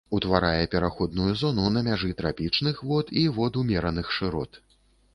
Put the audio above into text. Утварае пераходную зону на мяжы трапічных вод і вод умераных шырот.